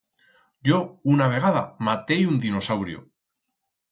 Yo una vegada matei un dinosaurio.